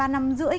ba năm rưỡi